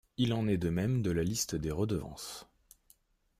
Il en est de même de la liste des redevances.